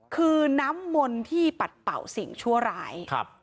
คือน้ำมนต์ที่ปัดเป่าสิ่งชั่วร้าย